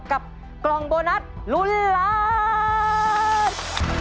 กับกลองโบนัสลุลาด